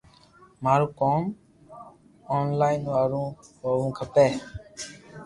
مارو ڪوم اونلائن وارو ھووُہ کپي